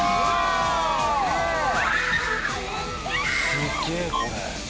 すげえこれ。